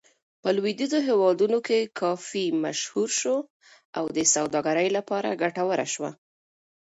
په لویدیځو هېوادونو کې کافي مشهور شو او د سوداګرۍ لپاره ګټوره شوه.